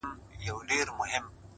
په ورځ کي سل ځلي ځارېدله ـ